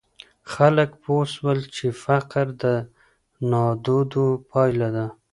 خلګ پوه سول چي فقر د نادودو پایله ده.